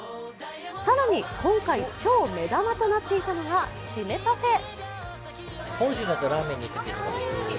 更に今回超目玉となっていたのがシメパフェ。